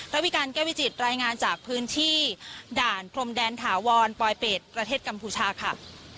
ระวิการแก้วิจิตรายงานจากพื้นที่ด่านพรมแดนถาวรปลอยเป็ดประเทศกัมพูชาค่ะ